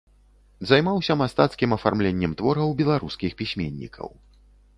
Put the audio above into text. Займаўся мастацкім афармленнем твораў беларускіх пісьменнікаў.